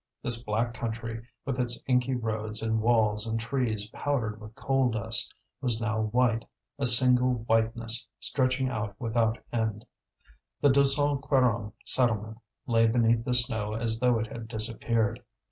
This black country, with its inky roads and walls and trees powdered with coal dust, was now white, a single whiteness stretching out without end. The Deux Cent Quarante settlement lay beneath the snow as though it had disappeared.